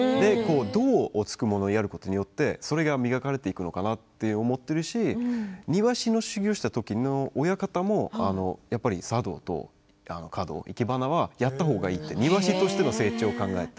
道が付くものをやることによってそれが磨かれていくのかなと思うし庭師の修業をした時の親方もやっぱり茶道と華道生け花をやった方がいいと庭師としての成長を考えて。